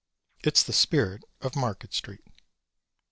It's the spirit of Market street.